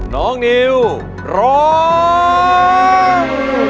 น้องนิวร้อง